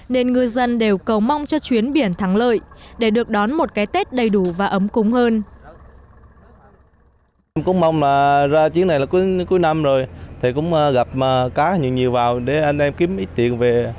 nên ngư dân đều cầu mong cho chuyến biển thắng lợi để được đón một cái tết đầy đủ và ấm cúng hơn